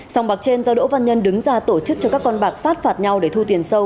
sòng bạc trên do đỗ văn nhân đứng ra tổ chức cho các con bạc sát phạt nhau để thu tiền sâu